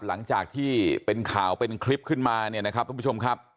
หลังจากที่เป็นข่าวเป็นคลิปขึ้นมาเนี่ยนะครับทุกผู้ชมครับ